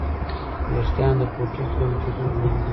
ویښتان د پوټکي له حجرو جوړ دي